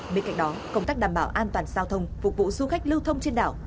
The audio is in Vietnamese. bên cạnh đó công tác đảm bảo an toàn giao thông phục vụ du khách lưu thông trên đảo